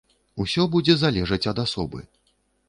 Усё будзе залежаць ад асобы.